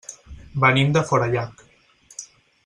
Venim de Forallac.